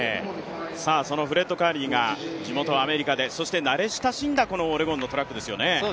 フレッド・カーリーが地元アメリカでそして慣れ親しんだオレゴンのトラックですよね。